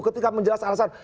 ketika menjelaskan alasan